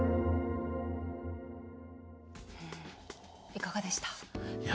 いかがでした？